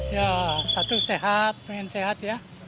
ya satu sehat pengen sehat ya